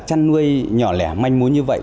chăn nuôi nhỏ lẻ manh muốn như vậy